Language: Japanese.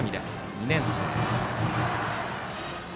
２年生。